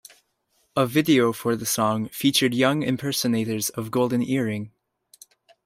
A video for the song featured young impersonators of Golden Earring.